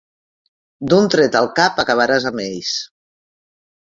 D'un tret al cap acabaràs amb ells.